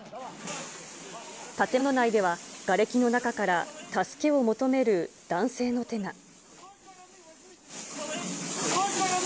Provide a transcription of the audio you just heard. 建物内では、がれきの中から助けを求める男性の手が。